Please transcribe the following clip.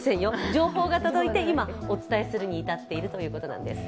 情報が届いて、今お伝えするに至っているということなんです。